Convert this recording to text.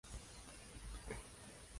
Su taxonomía ha sido discutida.